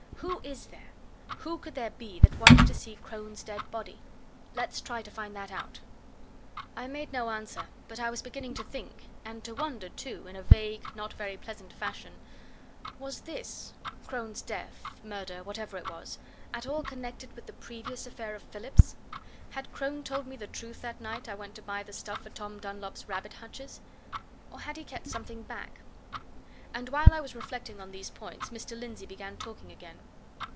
Who is there who could there be that wanted to see Crone's dead body? Let's try to find that out." I made no answer but I was beginning to think; and to wonder, too, in a vague, not very pleasant fashion. Was this was Crone's death, murder, whatever it was at all connected with the previous affair of Phillips? Had Crone told me the truth that night I went to buy the stuff for Tom Dunlop's rabbit hutches? or had he kept something back? And while I was reflecting on these points, Mr. Lindsey began talking again.